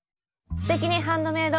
「すてきにハンドメイド」